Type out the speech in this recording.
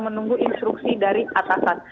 menunggu instruksi dari atasan